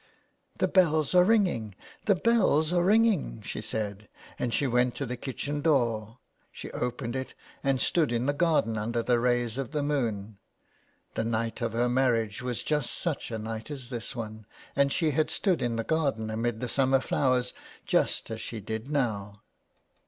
" The bells are ringing, the bells are ringing,'' she said, and she went to the kitchen door ; she opened it, and stood in the garden under the rays of the moon. The night of her marriage was just such a night as this one, and she had stood in the garden amid the summer flowers, just as she did now.